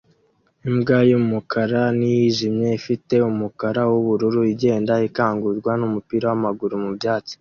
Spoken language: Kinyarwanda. Imbwa y'umukara n'iyijimye ifite umukara w'ubururu igenda ikangurwa n'umupira w'amaguru mu byatsi